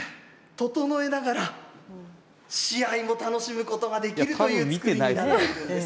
整えながら試合も楽しむことができるという造りになっているんです。